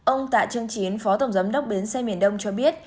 ông tạ trương chiến phó tổng giám đốc bến xe miền đông cho biết